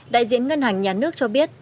đại diện ngân hành nhà nước cho biết